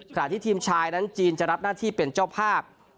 ที่ทีมชายนั้นจีนจะรับหน้าที่เป็นเจ้าภาพ